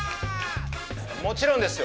もちろんですよ。